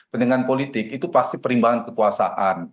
pentingan politik itu pasti perimbangan kekuasaan